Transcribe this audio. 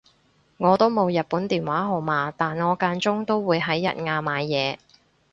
我都冇日本電話號碼但我間中都會喺日亞買嘢